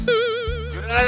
cepetan aku nggak manis